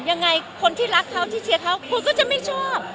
ยังไงคนที่รักเขาที่เชียร์เขาคุณก็จะไม่ชอบ